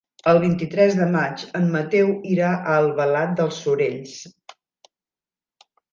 El vint-i-tres de maig en Mateu irà a Albalat dels Sorells.